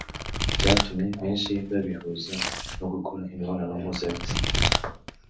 byatumye benshi babihuza no gukora imibonano mpuzabitsina